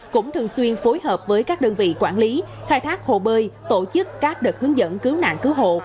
cũng thường xuyên phối hợp với các đơn vị quản lý khai thác hồ bơi tổ chức các đợt hướng dẫn cứu nạn cứu hộ